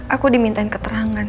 aku diminta keterangan